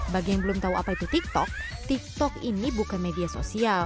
bagi yang belum tahu apa itu tiktok tiktok ini bukan media sosial